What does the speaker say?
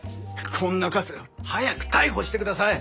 こんなカス早く逮捕して下さい。